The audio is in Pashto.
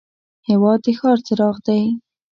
هېواد د ښار څراغ دی.